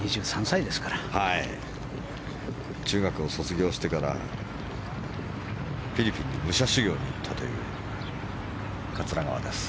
中学を卒業してからフィリピンに武者修行に行ったという桂川です。